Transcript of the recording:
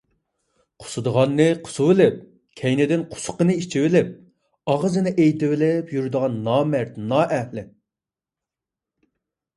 قۇسۇدىغاننى قۇسۇۋېلىپ كەينىدىن قۇسۇقىنى ئىچىۋېلىپ ئاغزىنى ئېيتىۋېلىپ يۈرىدىغان نامەرد، نائەھلى.